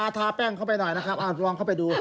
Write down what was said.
ทาแป้งเข้าไปหน่อยนะครับลองเข้าไปดู